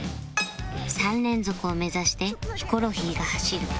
３連続を目指してヒコロヒーが走る